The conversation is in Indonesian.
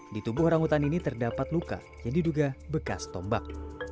di tubuh orangutan ini terdapat luka yang diduga bekas tombak